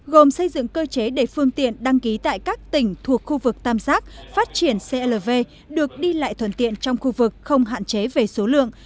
gồm xây dựng cơ chế để phương tiện đăng ký tại các tỉnh thuộc khu vực tam giác phát triển clv được đi lại thuận tiện trong khu vực không hạn chế về số lượng